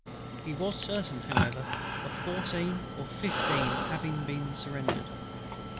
He was certain however of fourteen or fifteen having surrendered."